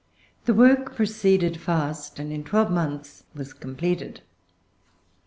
The work proceeded fast, and in twelve months was completed.